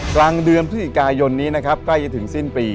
กลางเดือนพฤศจิกายนนี้นะครับใกล้จะถึงสิ้นปี